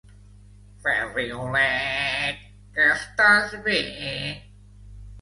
Ferrioleeet, que estàs bé?